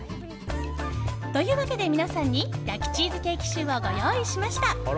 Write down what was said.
というわけで、皆さんに焼きチーズケーキシューをご用意しました。